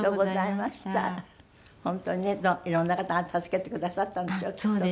本当にね色んな方が助けてくださったんでしょうきっとね。